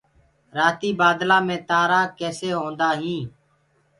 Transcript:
رآتيٚ بآدلآ مي تآرآ ڪيسي هوندآ هينٚ